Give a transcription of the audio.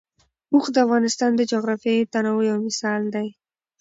اوښ د افغانستان د جغرافیوي تنوع یو مثال دی.